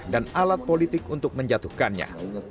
dan alat politik untuk menjatuhkannya